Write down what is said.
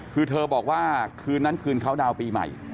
คือเธอบอกว่าคืนนั้นคืนเขาดาวน์ปีใหม่